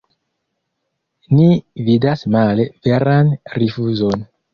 Ni vidas male veran rifuzon.